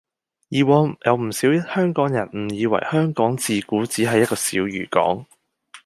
以往有唔少香港人誤以為香港自古只係一個小漁港